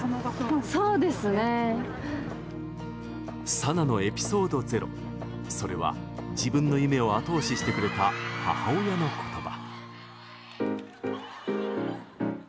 ＳＡＮＡのエピソードゼロそれは自分の夢を、あと押ししてくれた母親の言葉。